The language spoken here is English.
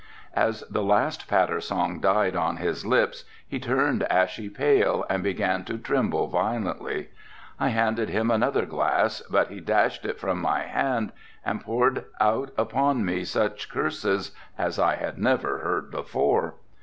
As the last patter song died on his lips he turned ashy pale and began to tremble violently. I handed him another glass but he dashed it from my hand and poured out upon me such curses as I had never heard before.